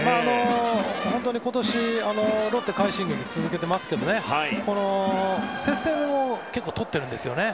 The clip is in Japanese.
今年は、ロッテは快進撃を続けていますけどこの接戦を結構とってるんですね。